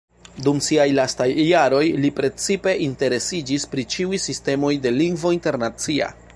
Dum siaj lastaj jaroj li precipe interesiĝis pri ĉiuj sistemoj de Lingvo Internacia.